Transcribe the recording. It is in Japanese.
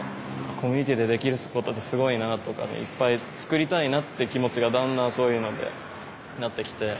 コミュニティーでできることってすごいなとかいっぱいつくりたいなって気持ちがだんだんそういうのでなってきて。